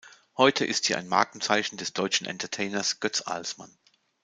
Heute ist sie ein Markenzeichen des deutschen Entertainers Götz Alsmann.